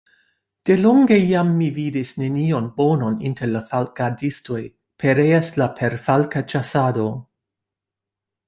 De longe jam mi vidas nenion bonan inter la falkgardistoj, pereas la perfalka ĉasado!